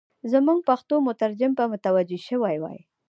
زموږ پښتو مترجم به متوجه شوی وای.